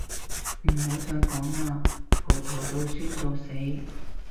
唔好再講喇，葡萄到酸到死